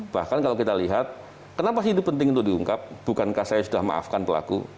bahkan kalau kita lihat kenapa sih itu penting untuk diungkap bukankah saya sudah maafkan pelaku